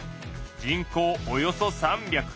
人口およそ３００。